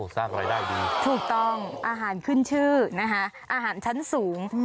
สร้างรายได้ดีถูกต้องอาหารขึ้นชื่อนะคะอาหารชั้นสูง